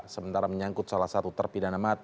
sementara menyangkut salah satu terpidana mati